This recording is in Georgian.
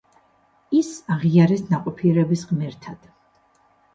ის აღიარეს ნაყოფიერების ღმერთად.